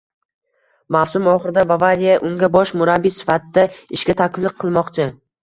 Mavsum oxirida "Bavariya" unga bosh murabbiy sifatida ishga taklif qilmoqchi